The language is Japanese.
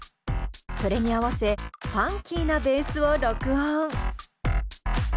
それに合わせファンキーなベースを録音。